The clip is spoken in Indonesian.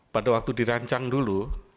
pada waktu dirancang dulu